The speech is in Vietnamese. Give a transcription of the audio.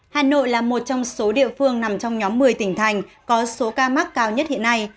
hà nội là một trong số địa phương nằm trong nhóm một mươi tỉnh thành có số ca mắc cao nhất hiện nay